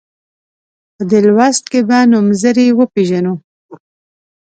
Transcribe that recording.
په دې لوست کې به نومځري وپيژنو.